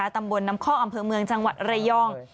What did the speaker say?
ตำบลน้ำข้ออำเภอเมืองจังหวัดระยอง